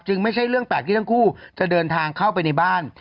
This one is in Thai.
ไม่ใช่เรื่องแปลกที่ทั้งคู่จะเดินทางเข้าไปในบ้าน